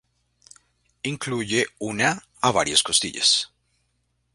Incluye una a varias costillas.